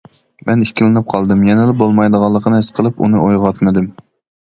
مەن ئىككىلىنىپ قالدىم، يەنىلا بولمايدىغانلىقىنى ھېس قىلىپ ئۇنى ئويغاتمىدىم.